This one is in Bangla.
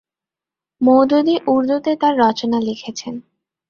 মওদুদী উর্দুতে তার রচনা লিখেছেন।